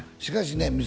しかしね